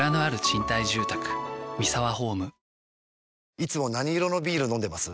いつも何色のビール飲んでます？